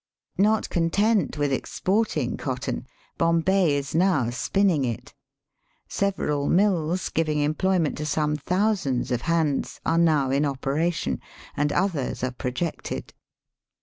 Not content with exporting cotton, Bom bay is now spinning it. Several mills, giving employment to some thousands of hands, are now in operation, and others are projected.